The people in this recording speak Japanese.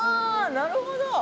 なるほど。